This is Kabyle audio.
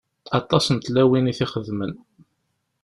Aṭas n tlawin i t-ixedmen.